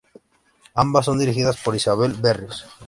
Ambas son dirigidas por Isabel Berríos.